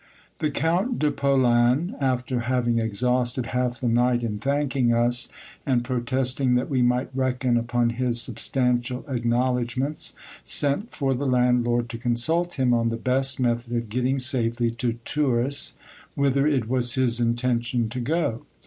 The Count de Polan, after having exhausted half the night in thanking us, and protesting that we might reckon upon his substantial acknowledgments, sent for the landlord to consult him on the best method of getting safely to Turis, whither it was his intention to go.